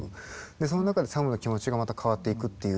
その中でサムの気持ちがまた変わっていくっていう。